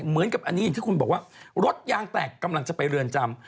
เหมือนกับอันนี้อย่างที่คุณบอกว่ารถยางแตกกำลังจะไปเรือนจำ